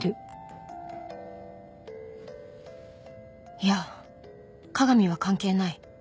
いや加賀美は関係ない